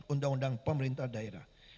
undang undang pemerintah daerah